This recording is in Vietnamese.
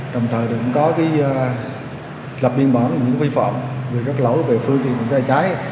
đồng thời cũng có lập biên bản về những vi phạm về các lỗ về phương tiện chữa cháy